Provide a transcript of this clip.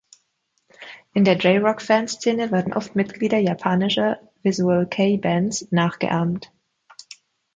In der J-Rock-Fanszene werden oft Mitglieder japanischer Visual-Kei-Bands nachgeahmt.